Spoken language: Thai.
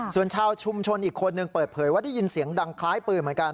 ส่วนชาวชุมชนอีกคนนึงเปิดเผยว่าได้ยินเสียงดังคล้ายปืนเหมือนกัน